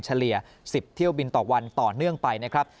เฉลี่ย๑๐เที่ยวบินต่อวันต่อเนื่องไปนะครับ